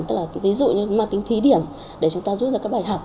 tức là ví dụ như mang tính thí điểm để chúng ta rút ra các bài học